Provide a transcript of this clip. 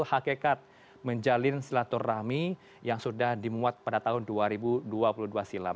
hakikat menjalin silaturahmi yang sudah dimuat pada tahun dua ribu dua puluh dua silam